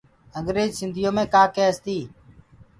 انٚگريج سنٚڌيو مي ڪآ ڪيس تيٚ